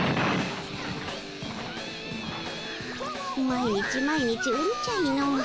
毎日毎日うるちゃいのう。